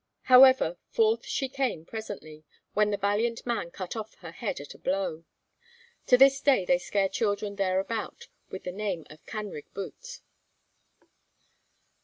However, forth she came presently, when the valiant man cut off her head at a blow. To this day they scare children thereabout with the name of Canrig Bwt.